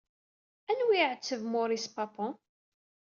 Anwa ay iɛetteb Maurice Papon?